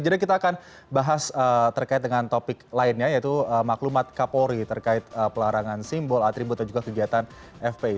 jadi kita akan bahas terkait dengan topik lainnya yaitu maklumat kapolri terkait pelarangan simbol atribut dan juga kegiatan fpi